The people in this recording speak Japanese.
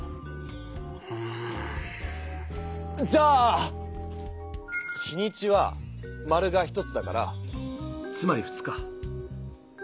うんじゃあ日にちは○が１つだからつまり「２日」。